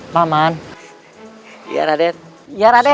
paman iya raden